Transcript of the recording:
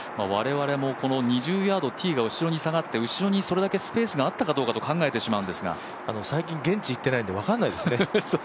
我々もこの２０ヤード、ティーが後ろに下がって後ろにそれだけスペースがあったかどうかと考えてしまうんですが最近、現地行ってないんで分かんないですね。